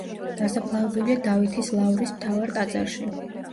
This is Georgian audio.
დასაფლავებულია დავითის ლავრის მთავარ ტაძარში.